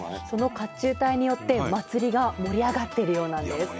その甲冑隊によって祭りが盛り上がってるようなんです。